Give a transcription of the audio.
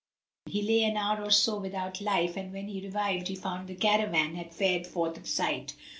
He lay an hour or so without life, and when he revived he found the caravan had fared forth of sight.